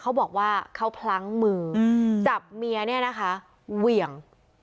เขาบอกว่าเขาพลั้งมือจับเมียเนี่ยนะคะเหวี่ยง